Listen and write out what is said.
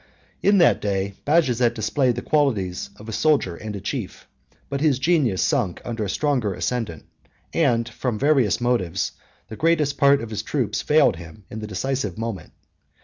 43 In that day Bajazet displayed the qualities of a soldier and a chief: but his genius sunk under a stronger ascendant; and, from various motives, the greatest part of his troops failed him in the decisive moment.